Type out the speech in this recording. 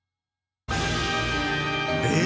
えっ？